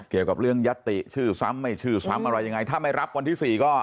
เกี่ยวกับเรื่องยัตติชื่อซ้ำไม่ชื่อซ้ำอะไรยังไงถ้าไม่รับวันที่๔ก็